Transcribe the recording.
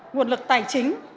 nguồn lực tài chính